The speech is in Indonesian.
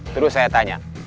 terus saya tanya